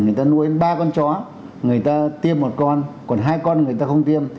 người ta nuôi ba con chó người ta tiêm một con còn hai con người ta không tiêm